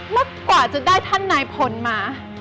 มากกว่าจะได้ท่านนายพลมา